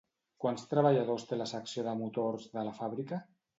Quants treballadors té la secció de motors de la fàbrica?